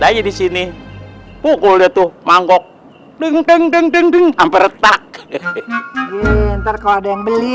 aja di sini pukul itu mangkok bingung bingung bingung hampa retak ntar kalau ada yang beli